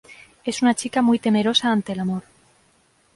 Es una chica muy temerosa ante el amor.